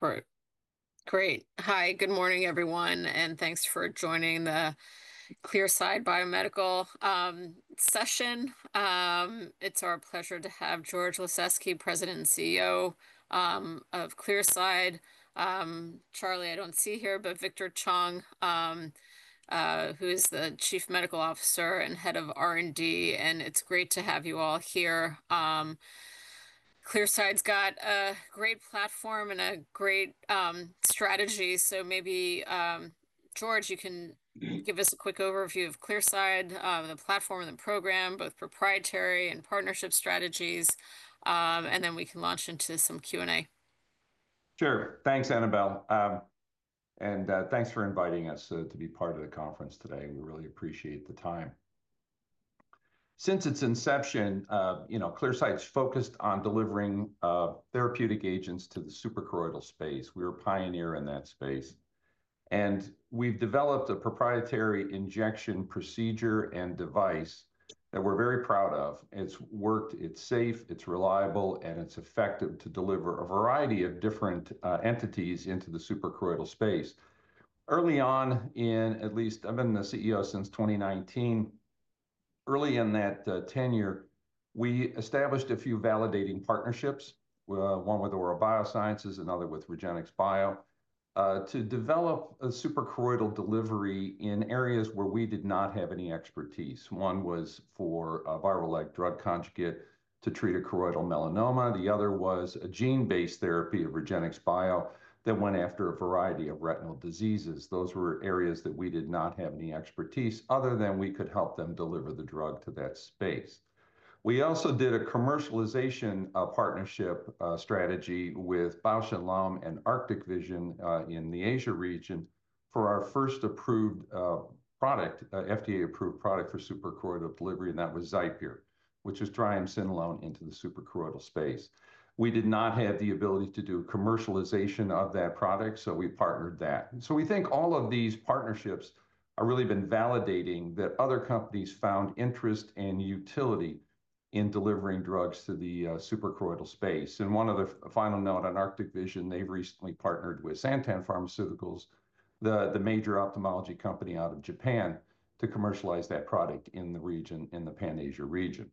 All right. Great. Hi, good morning, everyone, and thanks for joining the Clearside Biomedical session. It's our pleasure to have George Lasezkay, President and CEO of Clearside. Charlie, I don't see here, but Victor Chong, who is the Chief Medical Officer and Head of R&D, and it's great to have you all here. Clearside's got a great platform and a great strategy, so maybe, George, you can give us a quick overview of Clearside, the platform and the program, both proprietary and partnership strategies, and then we can launch into some Q&A. Sure. Thanks, Annabelle, and thanks for inviting us to be part of the conference today. We really appreciate the time. Since its inception, you know, Clearside's focused on delivering therapeutic agents to the suprachoroidal space. We're a pioneer in that space. We have developed a proprietary injection procedure and device that we're very proud of. It's worked, it's safe, it's reliable, and it's effective to deliver a variety of different entities into the suprachoroidal space. Early on in, at least, I've been the CEO since 2019. Early in that tenure, we established a few validating partnerships, one with Aurora Biosciences and another with REGENXBIO, to develop a suprachoroidal delivery in areas where we did not have any expertise. One was for a viral-like drug conjugate to treat a choroidal melanoma. The other was a gene-based therapy of REGENXBIO that went after a variety of retinal diseases. Those were areas that we did not have any expertise other than we could help them deliver the drug to that space. We also did a commercialization partnership strategy with Bausch + Lomb and Arctic Vision, in the Asia region for our first approved product, FDA-approved product for suprachoroidal delivery, and that was XIPERE, which is triamcinolone into the suprachoroidal space. We did not have the ability to do commercialization of that product, so we partnered that. We think all of these partnerships have really been validating that other companies found interest and utility in delivering drugs to the suprachoroidal space. One other final note on Arctic Vision, they've recently partnered with Santen Pharmaceuticals, the major ophthalmology company out of Japan, to commercialize that product in the region, in the Pan-Asia region.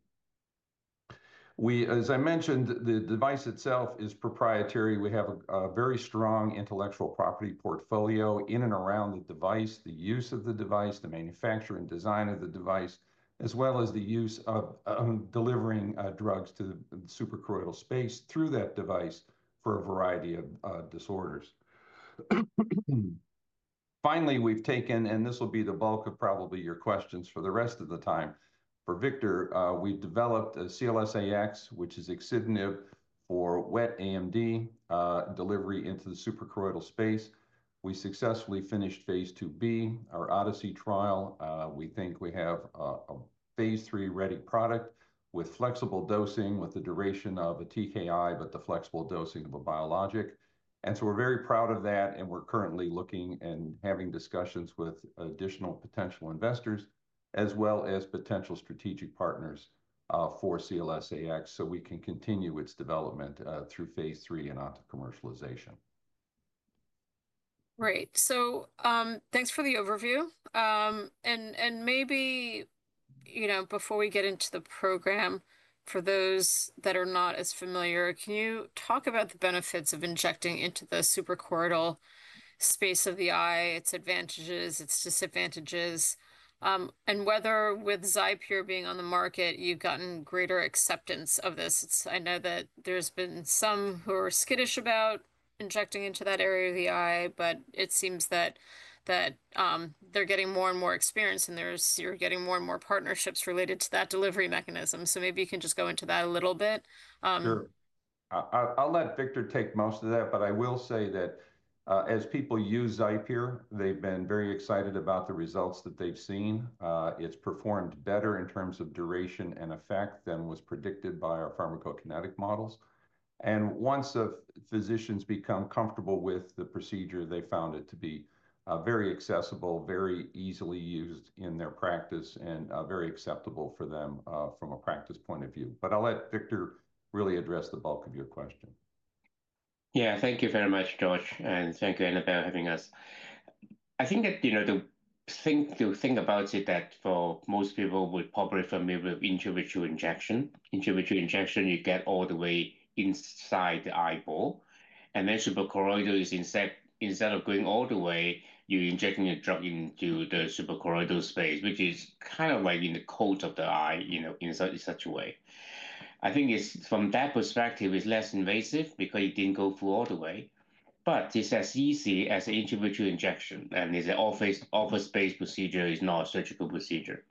As I mentioned, the device itself is proprietary. We have a very strong intellectual property portfolio in and around the device, the use of the device, the manufacturer and design of the device, as well as the use of delivering drugs to the suprachoroidal space through that device for a variety of disorders. Finally, we've taken, and this will be the bulk of probably your questions for the rest of the time. For Victor, we developed CLS-AX, which is axitinib for wet AMD, delivery into the suprachoroidal space. We successfully finished phase II-B, our Odyssey trial. We think we have a phase III-ready product with flexible dosing, with the duration of a TKI, but the flexible dosing of a biologic. We're very proud of that, and we're currently looking and having discussions with additional potential investors, as well as potential strategic partners, for CLS-AX, so we can continue its development, through phase III and onto commercialization. Great. Thanks for the overview. Maybe, you know, before we get into the program, for those that are not as familiar, can you talk about the benefits of injecting into the suprachoroidal space of the eye, its advantages, its disadvantages, and whether with XIPERE being on the market, you've gotten greater acceptance of this? I know that there's been some who are skittish about injecting into that area of the eye, but it seems that they're getting more and more experience, and you're getting more and more partnerships related to that delivery mechanism. Maybe you can just go into that a little bit. Sure. I'll let Victor take most of that, but I will say that, as people use XIPERE, they've been very excited about the results that they've seen. It's performed better in terms of duration and effect than was predicted by our pharmacokinetic models. Once the physicians become comfortable with the procedure, they found it to be very accessible, very easily used in their practice, and very acceptable for them from a practice point of view. I'll let Victor really address the bulk of your question. Yeah, thank you very much, George, and thank you, Annabelle, for having us. I think that, you know, the thing to think about is that for most people, we're probably familiar with intravitreal injection. Intravitreal injection, you get all the way inside the eyeball. Then suprachoroidal is, instead, instead of going all the way, you're injecting a drug into the suprachoroidal space, which is kind of like in the coat of the eye, you know, in such a way. I think it's, from that perspective, it's less invasive because it didn't go through all the way. But it's as easy as an intravitreal injection, and it's an office-based procedure, it's not a surgical procedure.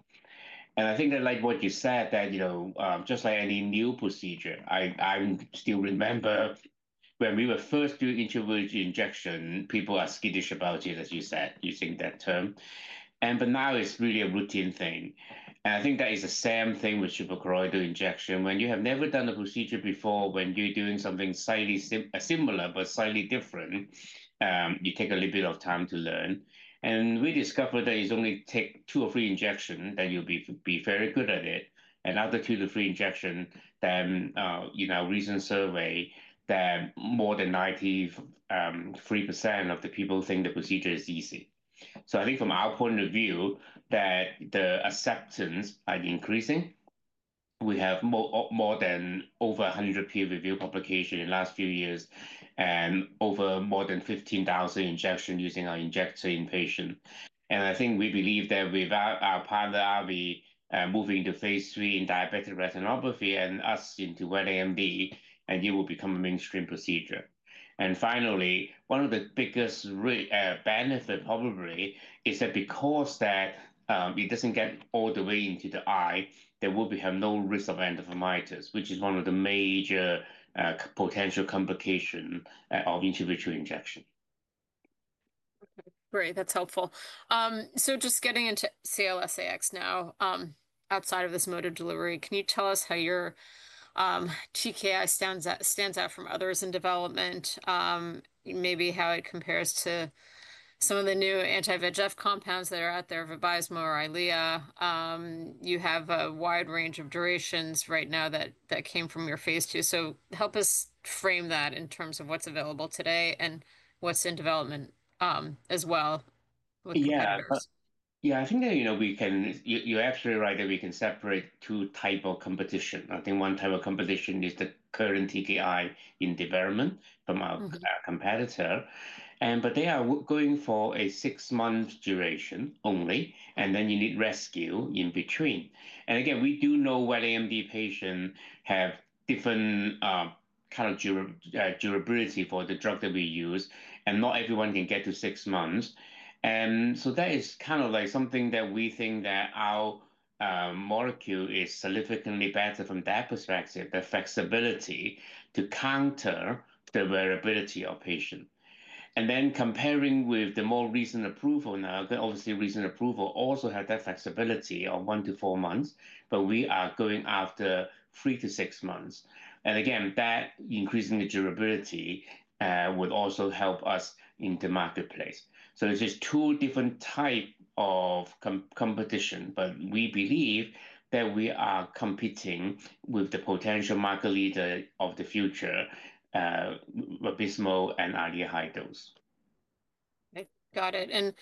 I think that, like what you said, just like any new procedure, I still remember when we were first doing intravitreal injection, people are skittish about it, as you said, using that term. Now it's really a routine thing. I think that is the same thing with suprachoroidal injection. When you have never done a procedure before, when you're doing something slightly similar but slightly different, you take a little bit of time to learn. We discovered that it only takes two or three injections that you'll be very good at it. After two to three injections, you know, recent survey, more than 93% of the people think the procedure is easy. I think from our point of view, the acceptance is increasing. We have more than 100 peer-reviewed publications in the last few years and over 15,000 injections using our injector in patients. I think we believe that without our partner, we are moving to phase III in diabetic retinopathy and us into wet AMD, and it will become a mainstream procedure. Finally, one of the biggest benefits probably is that because it doesn't get all the way into the eye, there will be no risk of endophthalmitis, which is one of the major, potential complications of intravitreal injection. Great. That's helpful. So just getting into CLS-AX now, outside of this mode of delivery, can you tell us how your TKI stands out from others in development, maybe how it compares to some of the new anti-VEGF compounds that are out there, Vabysmo or Eylea? You have a wide range of durations right now that came from your phase II. So help us frame that in terms of what's available today and what's in development, as well. Yeah. Yeah, I think that, you know, we can, you're absolutely right that we can separate two types of competition. I think one type of competition is the current TKI in development from our competitor. They are going for a six-month duration only, and then you need rescue in between. Again, we do know wet AMD patients have different, kind of durability for the drug that we use, and not everyone can get to six months. That is kind of like something that we think that our molecule is significantly better from that perspective, the flexibility to counter the variability of patients. Comparing with the more recent approval, now, obviously recent approval also had that flexibility of one to four months, but we are going after three to six months. Again, that increasing the durability would also help us in the marketplace. It's just two different types of competition, but we believe that we are competing with the potential market leader of the future, Vabysmo and Eylea High Dose. Got it.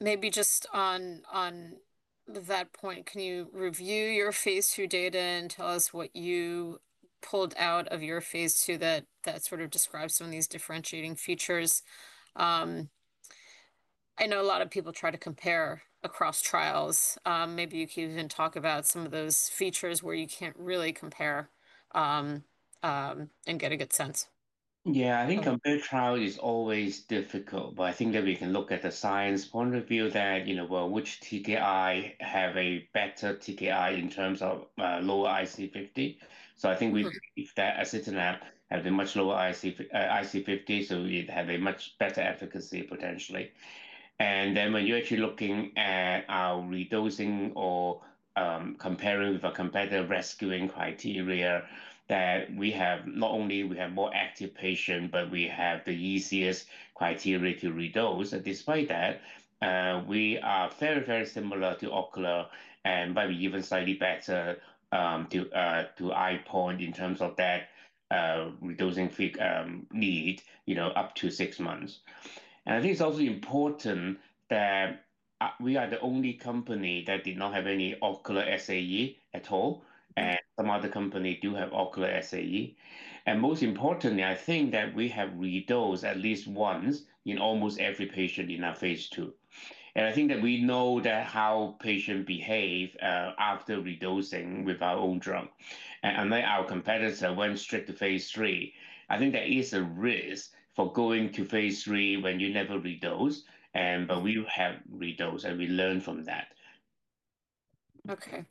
Maybe just on that point, can you review your phase II data and tell us what you pulled out of your phase II that sort of describes some of these differentiating features? I know a lot of people try to compare across trials. Maybe you can even talk about some of those features where you can't really compare, and get a good sense. Yeah, I think a mid-trial is always difficult, but I think that we can look at the science point of view that, you know, well, which TKI have a better TKI in terms of, lower IC50. I think we believe that axitinib has a much lower IC50, so it has a much better efficacy potentially. And then when you're actually looking at our redosing or, comparing with our competitor rescuing criteria, that we have not only we have more active patients, but we have the easiest criteria to redose. Despite that, we are very, very similar to Ocular, and we're even slightly better, to EyePoint in terms of that, reducing, need, you know, up to six months. I think it's also important that we are the only company that did not have any ocular SAE at all, and some other companies do have ocular SAE. Most importantly, I think that we have redosed at least once in almost every patient in our phase II. I think that we know how patients behave after redosing with our own drug. Unlike our competitor, who went straight to phase III, I think there is a risk for going to phase III when you never redose, but we have redosed and we learned from that. Okay.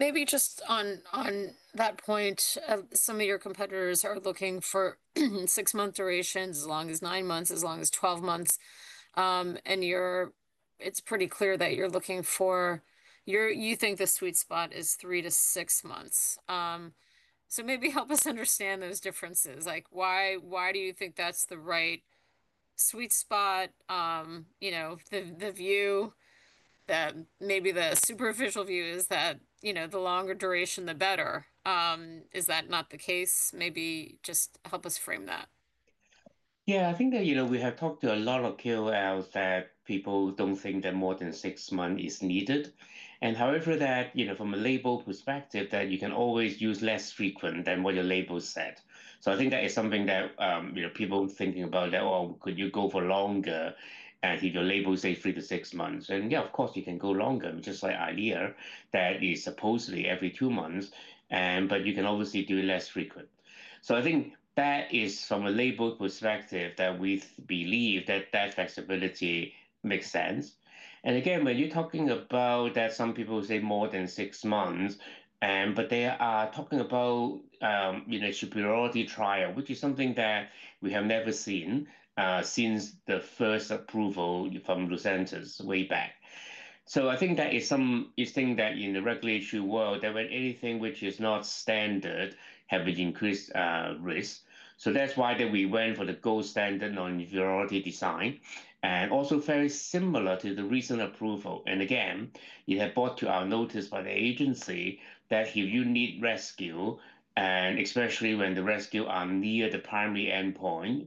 Maybe just on that point, some of your competitors are looking for six-month durations, as long as nine months, as long as twelve months. And you're, it's pretty clear that you're looking for, you think the sweet spot is three to six months. So maybe help us understand those differences. Like, why, why do you think that's the right sweet spot? You know, the view that maybe the superficial view is that, you know, the longer duration, the better. Is that not the case? Maybe just help us frame that. Yeah, I think that, you know, we have talked to a lot of KOLs that people do not think that more than six months is needed. However, that, you know, from a label perspective, you can always use less frequent than what your label said. I think that is something that, you know, people thinking about that, oh, could you go for longer? If your label says three to six months, then yeah, of course you can go longer, just like Eylea that is supposedly every two months, and you can obviously do less frequent. I think that is from a label perspective that we believe that that flexibility makes sense. When you're talking about that, some people say more than six months, but they are talking about, you know, superiority trial, which is something that we have never seen since the first approval from Lucentis way back. I think that is some, you think that in the regulatory world, that when anything which is not standard has an increased risk. That's why we went for the gold standard non-inferiority design, and also very similar to the recent approval. It had been brought to our notice by the agency that if you need rescue, and especially when the rescue is near the primary endpoint,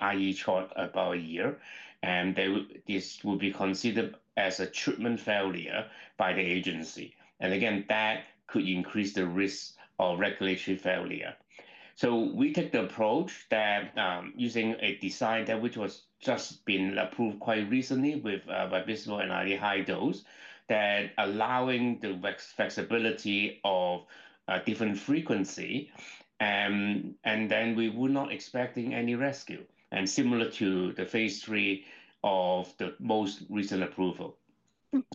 i.e., short about a year, this would be considered as a treatment failure by the agency. That could increase the risk of regulatory failure. We took the approach that, using a design that was just approved quite recently with Vabysmo and Eylea High Dose, allowing the flexibility of different frequency, and then we were not expecting any rescue. Similar to the phase III of the most recent approval.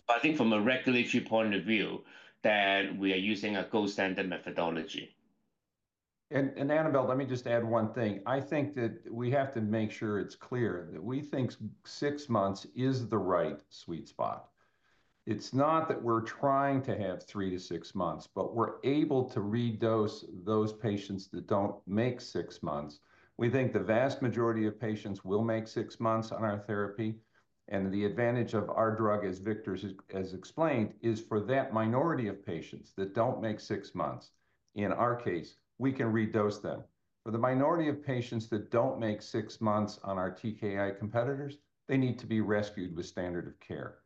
I think from a regulatory point of view, we are using a gold standard methodology. Annabelle, let me just add one thing. I think that we have to make sure it's clear that we think six months is the right sweet spot. It's not that we're trying to have three to six months, but we're able to redose those patients that don't make six months. We think the vast majority of patients will make six months on our therapy. The advantage of our drug, as Victor has explained, is for that minority of patients that don't make six months, in our case, we can redose them. For the minority of patients that don't make six months on our TKI competitors, they need to be rescued with standard of care.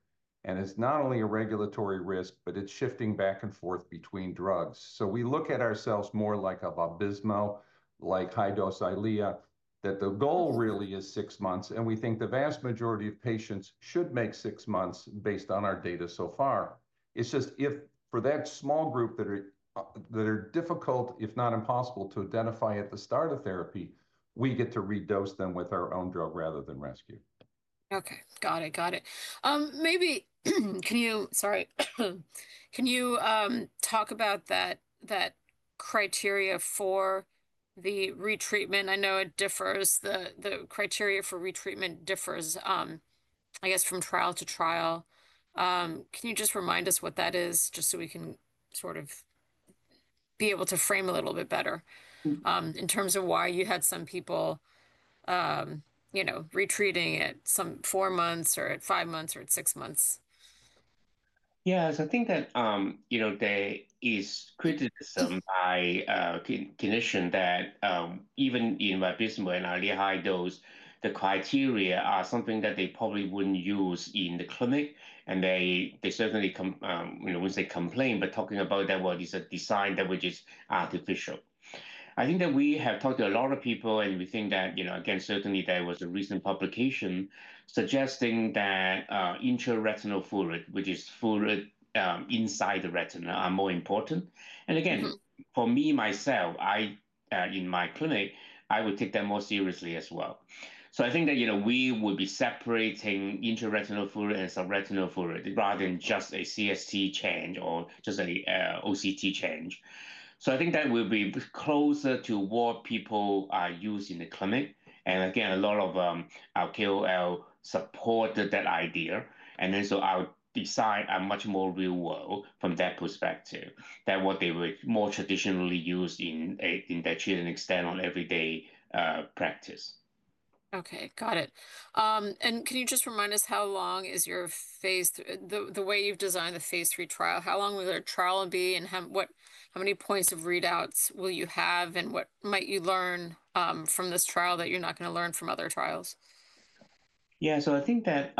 It's not only a regulatory risk, but it's shifting back and forth between drugs. We look at ourselves more like a Vabysmo, like High Dose Eylea, that the goal really is six months, and we think the vast majority of patients should make six months based on our data so far. It's just if for that small group that are, that are difficult, if not impossible to identify at the start of therapy, we get to redose them with our own drug rather than rescue. Okay. Got it. Maybe can you, sorry, can you talk about that, that criteria for the retreatment? I know it differs, the criteria for retreatment differs, I guess from trial to trial. Can you just remind us what that is, just so we can sort of be able to frame a little bit better, in terms of why you had some people, you know, retreating at some four months or at five months or at six months? Yeah, so I think that, you know, there is criticism by clinicians that, even in Vabysmo and Eylea High Dose, the criteria are something that they probably wouldn't use in the clinic, and they certainly come, you know, when they complain, but talking about that, well, it's a design that which is artificial. I think that we have talked to a lot of people, and we think that, you know, again, certainly there was a recent publication suggesting that intraretinal fluid, which is fluid inside the retina, are more important. And again, for me myself, I, in my clinic, I would take that more seriously as well. I think that, you know, we would be separating intraretinal fluid and subretinal fluid rather than just a CST change or just an OCT change. I think that will be closer to what people are using in the clinic. A lot of our KOL supported that idea. Our design are much more real world from that perspective than what they were more traditionally used in, in that treat and extend on everyday practice. Okay. Got it. Can you just remind us how long is your phase III, the way you've designed the phase III trial? How long will the trial be and how many points of readouts will you have and what might you learn from this trial that you're not going to learn from other trials? Yeah, so I think that,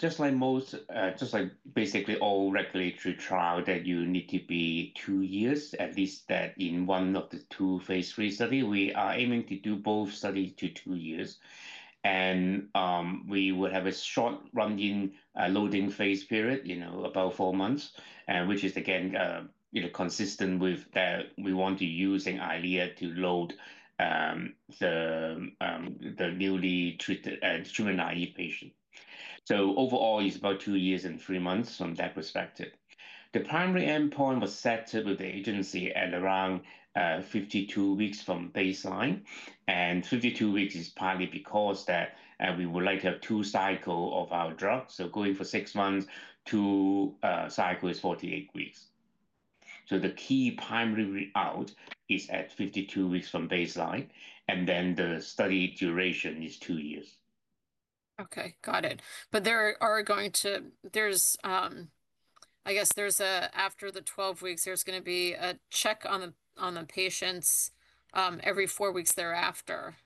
just like most, just like basically all regulatory trial that you need to be two years, at least that in one of the two phase III studies, we are aiming to do both studies to two years. We would have a short running, loading phase period, you know, about four months, which is again, you know, consistent with that we want to use in Eylea to load, the, the newly treated, treatment-naive patient. So overall, it's about two years and three months from that perspective. The primary endpoint was set with the agency at around, 52 weeks from baseline. And 52 weeks is partly because that, we would like to have two cycles of our drug. Going for six months, two cycles is 48 weeks. The key primary readout is at 52 weeks from baseline, and then the study duration is two years. Okay. Got it. There are going to, there's, I guess there's a, after the 12 weeks, there's going to be a check on the patients every four weeks thereafter.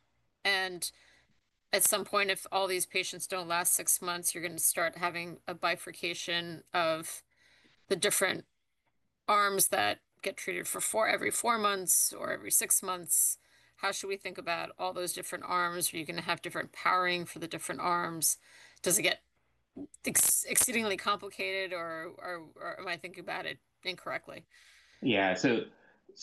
At some point, if all these patients do not last six months, you're going to start having a bifurcation of the different arms that get treated every four months or every six months. How should we think about all those different arms? Are you going to have different powering for the different arms? Does it get exceedingly complicated or am I thinking about it incorrectly?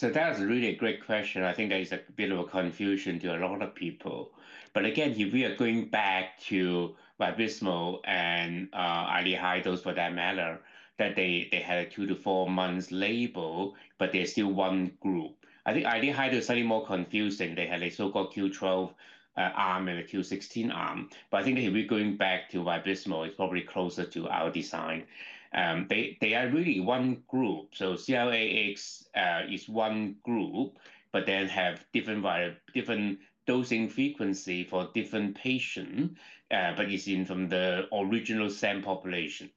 Yeah. That's really a great question. I think there is a bit of a confusion to a lot of people. Again, if we are going back to Vabysmo and Eylea High Dose for that matter, they had a two- to four-month label, but they're still one group. I think Eylea High Dose is slightly more confusing. They had a so-called Q12 arm and a Q16 arm. If we're going back to Vabysmo, it's probably closer to our design. They are really one group. So CLS-AX is one group, but then have different dosing frequency for different patients, but it's from the original sample population.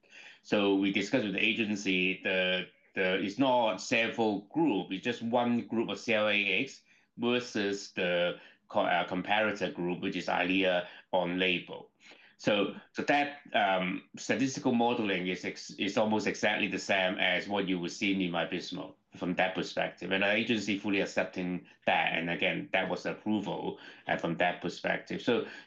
We discussed with the agency, it's not a sample group, it's just one group of CLS-AX versus the comparator group, which is Eylea on label. That statistical modeling is almost exactly the same as what you will see in Vabysmo from that perspective. The agency fully accepting that. That was the approval from that perspective.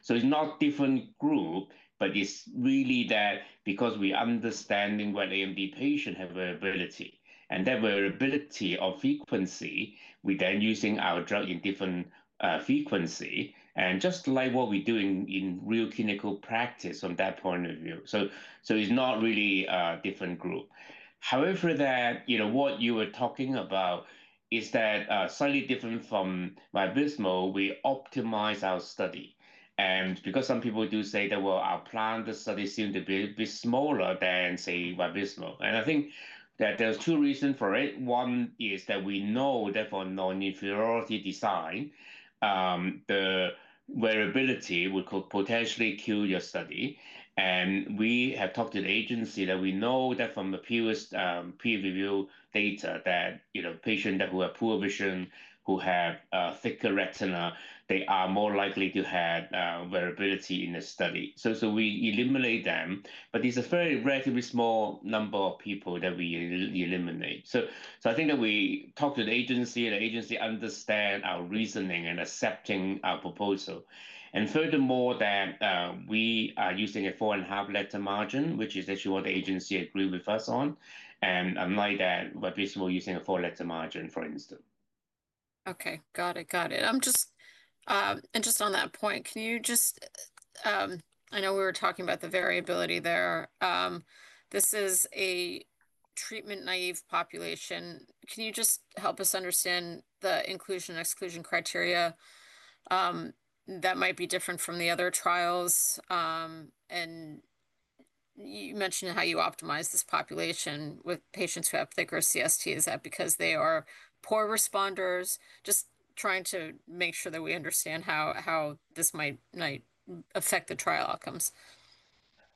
It's not different group, but it's really that because we understanding what AMD patient have variability and that variability of frequency, we then using our drug in different frequency and just like what we're doing in real clinical practice from that point of view. It's not really different group. However, you know, what you were talking about is that, slightly different from Vabysmo, we optimize our study. Because some people do say that, well, our plan, the study seemed to be a bit smaller than, say, Vabysmo. I think that there's two reasons for it. One is that we know that for non-inferiority design, the variability would potentially kill your study. We have talked to the agency that we know that from the previous, preview data that, you know, patients that who have poor vision, who have thicker retina, they are more likely to have variability in the study. We eliminate them, but it's a relatively small number of people that we eliminate. I think that we talked to the agency, the agency understand our reasoning and accepting our proposal. Furthermore, we are using a four and a half letter margin, which is actually what the agency agreed with us on. Unlike that, Vabysmo were using a four letter margin, for instance. Okay. Got it. Got it. I'm just, and just on that point, can you just, I know we were talking about the variability there. This is a treatment-naive population. Can you just help us understand the inclusion and exclusion criteria, that might be different from the other trials? You mentioned how you optimize this population with patients who have thicker CSTs. Is that because they are poor responders? Just trying to make sure that we understand how this might affect the trial outcomes.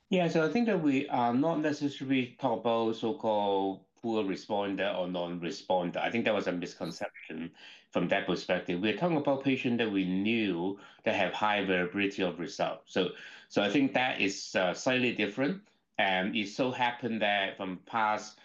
Yeah. I think that we are not necessarily talking about so-called poor responder or non-responder. I think that was a misconception from that perspective. We're talking about patients that we knew that have high variability of results. I think that is slightly different. It so happened that from past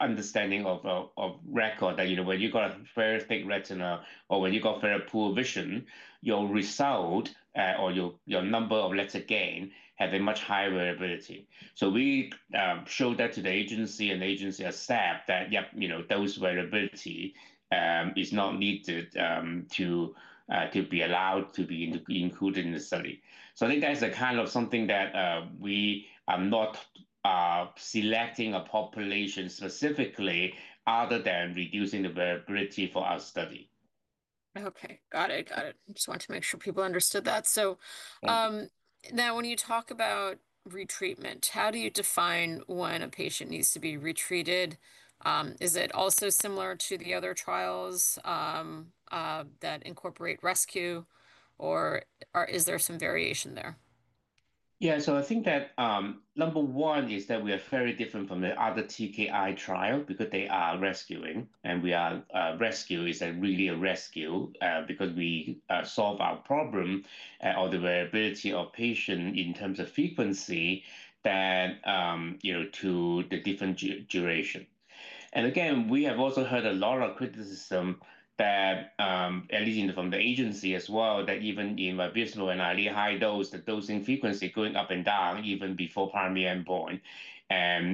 understanding of record that, you know, when you've got a very thick retina or when you've got very poor vision, your result or your number of letter gain have a much higher variability. We showed that to the agency and agency staff that, yep, you know, those variability is not needed to be allowed to be included in the study. I think that's the kind of something that we are not selecting a population specifically other than reducing the variability for our study. Okay. Got it. Got it. I just want to make sure people understood that. Now, when you talk about retreatment, how do you define when a patient needs to be retreated? Is it also similar to the other trials that incorporate rescue, or is there some variation there? Yeah. I think that, number one is that we are very different from the other TKI trial because they are rescuing and we are, rescue is really a rescue, because we solve our problem or the variability of patient in terms of frequency that, you know, to the different duration. Again, we have also heard a lot of criticism that, at least from the agency as well, that even in Vabysmo and Eylea High Dose, the dosing frequency going up and down even before primary endpoint.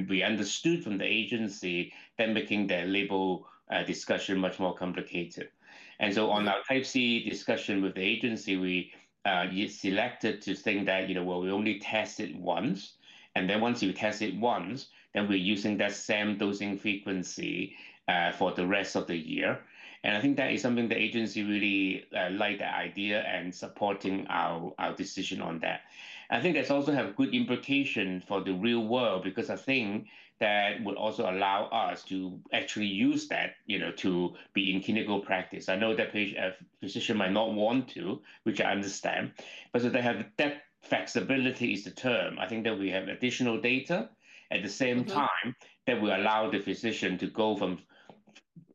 We understood from the agency that making that label discussion much more complicated. On our type C discussion with the agency, we selected to think that, you know, we only test it once. Once you test it once, then we're using that same dosing frequency for the rest of the year. I think that is something the agency really liked, the idea and supporting our decision on that. I think that also has good implication for the real world because I think that would also allow us to actually use that, you know, to be in clinical practice. I know that patient, physician might not want to, which I understand, but they have that flexibility is the term. I think that we have additional data at the same time that will allow the physician to go from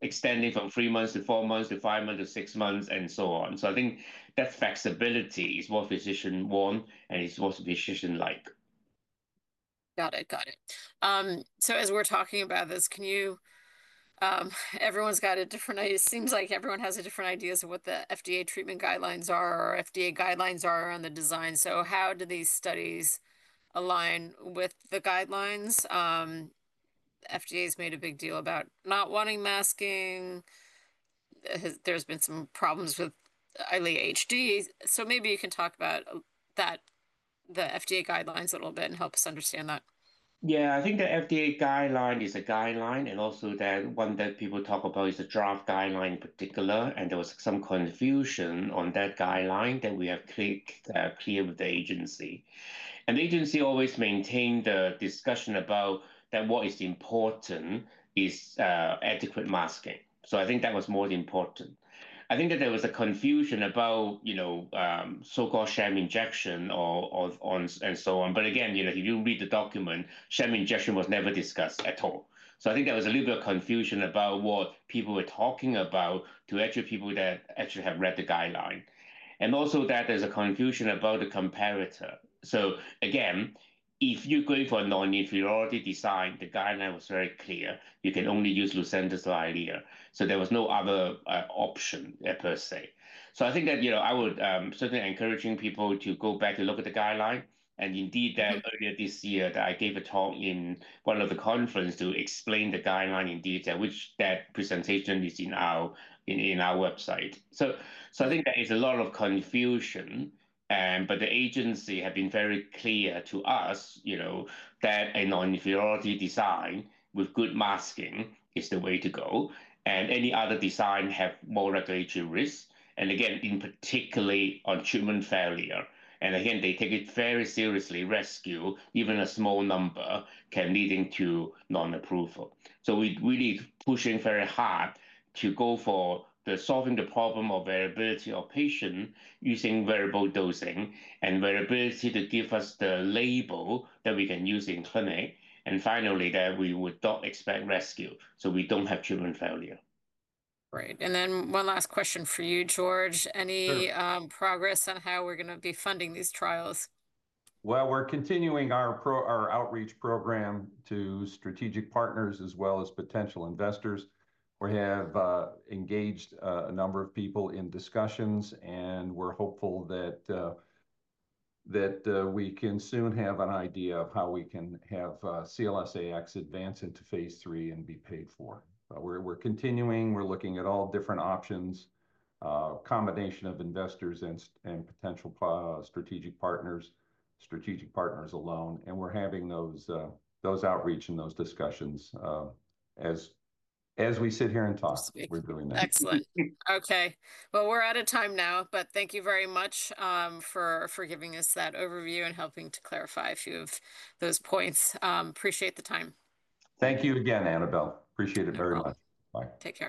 extending from three months to four months to five months to six months and so on. I think that flexibility is what physician want and it is what physician like. Got it. Got it. So as we're talking about this, can you, everyone's got a different, it seems like everyone has a different ideas of what the FDA treatment guidelines are or FDA guidelines are on the design. So how do these studies align with the guidelines? FDA has made a big deal about not wanting masking. There's been some problems with Eylea HD. So maybe you can talk about that, the FDA guidelines a little bit and help us understand that. Yeah. I think the FDA guideline is a guideline and also that one that people talk about is the draft guideline in particular. There was some confusion on that guideline that we have cleared with the agency. The agency always maintained the discussion about that what is important is adequate masking. I think that was more important. I think that there was a confusion about, you know, so-called sham injection or, or on and so on. Again, you know, if you read the document, sham injection was never discussed at all. I think there was a little bit of confusion about what people were talking about to actually people that actually have read the guideline. Also, that there's a confusion about the comparator. Again, if you're going for a non-inferiority design, the guideline was very clear. You can only use Lucentis or Eylea. There was no other option per se. I think that, you know, I would certainly encourage people to go back and look at the guideline. Indeed, earlier this year I gave a talk in one of the conferences to explain the guideline in detail, which that presentation is in our website. I think there is a lot of confusion. The agency have been very clear to us, you know, that a non-inferiority design with good masking is the way to go. Any other design have more regulatory risks, particularly on treatment failure. They take it very seriously. Rescue, even a small number, can lead to non-approval. We really pushing very hard to go for the solving the problem of variability of patient using variable dosing and variability to give us the label that we can use in clinic. Finally, that we would not expect rescue. We don't have treatment failure. Right. And then one last question for you, George. Any progress on how we're going to be funding these trials? We're continuing our outreach program to strategic partners as well as potential investors. We have engaged a number of people in discussions and we're hopeful that we can soon have an idea of how we can have CLS-AX advance into phase III and be paid for. We're continuing, we're looking at all different options, combination of investors and potential strategic partners, strategic partners alone. We're having those outreach and those discussions as we sit here and talk. Excellent. Okay. We're out of time now, but thank you very much for giving us that overview and helping to clarify a few of those points. Appreciate the time. Thank you again, Annabelle. Appreciate it very much. Take care.